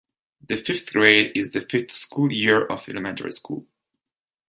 The fifth grade is the fifth school year of elementary school.